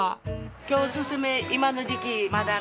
今日おすすめ今の時期マダラ。